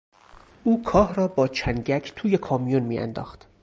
او کاه را با چنگک توی کامیون میانداخت.